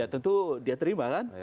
tentu dia terima kan